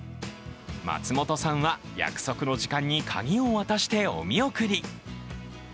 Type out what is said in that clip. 松本さんは、約束の時間に鍵を渡してお見送り。